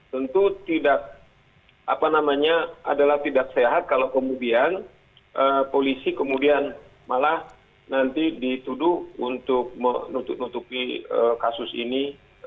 tentu tidak apa namanya adalah tidak sehat kalau kemudian polisi kemudian malah nanti dituduh untuk menutup nutupi kasus ini